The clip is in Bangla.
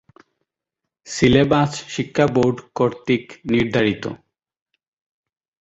সিলেবাস শিক্ষাবোর্ড কর্তৃক নির্ধারিত।